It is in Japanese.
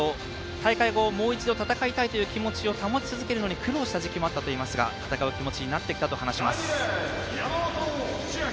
大会後、もう一度戦いたいという気持ちを保ち続けるのに苦労したときもあったといいますが戦う気持ちになってきたと話します。